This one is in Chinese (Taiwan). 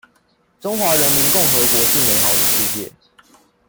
中華人民共和國是美好的世界